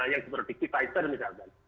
yang seperti pfizer misalkan